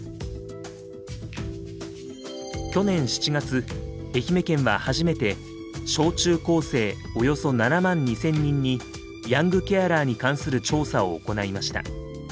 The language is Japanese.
去年７月愛媛県は初めて小中校生およそ７万２，０００人にヤングケアラーに関する調査を行いました。